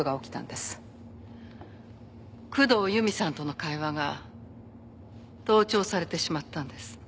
工藤由美さんとの会話が盗聴されてしまったんです。